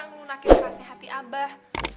ngunakin kerasnya hati abah